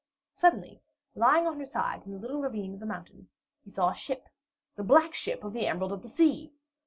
Suddenly, lying on her side in a little ravine of the mountain, he saw a ship the black ship of the Emerald of the Sea!